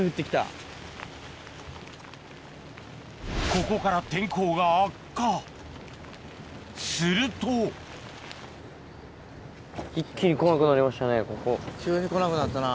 ここから天候が悪化すると急にこなくなったな。